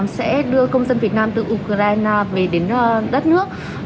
sẽ đưa công dân việt nam từ ukraine về đến đất nước